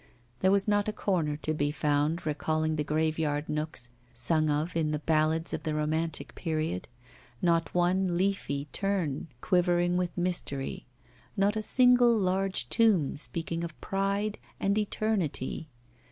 There was not a corner to be found recalling the graveyard nooks sung of in the ballads of the romantic period, not one leafy turn quivering with mystery, not a single large tomb speaking of pride and eternity.